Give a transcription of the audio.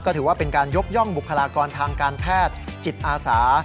ถือว่าเป็นการยกย่องบุคลากรทางการแพทย์จิตอาสา